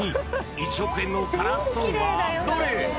１億円のカラーストーンはどれ？